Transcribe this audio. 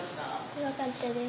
怖かったです。